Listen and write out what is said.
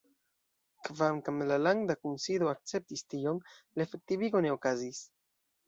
Kvankam la landa kunsido akceptis tion, la efektivigo ne okazis.